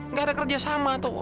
gak ada kerjasama tuh